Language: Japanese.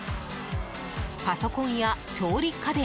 パソコンや調理家電